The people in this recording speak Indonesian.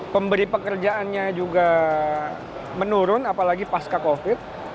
pemberi pekerjaannya juga menurun apalagi pasca covid